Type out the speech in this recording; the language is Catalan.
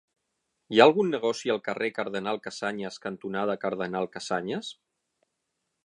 Hi ha algun negoci al carrer Cardenal Casañas cantonada Cardenal Casañas?